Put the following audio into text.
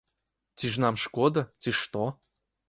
Ці ж нам шкода, ці што?